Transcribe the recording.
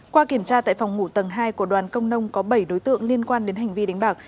qua kiểm tra tại phòng ngủ tầng hai của đoàn công nông có bảy đối tượng liên quan đến hành vi đánh bạc